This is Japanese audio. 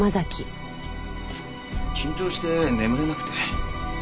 緊張して眠れなくて。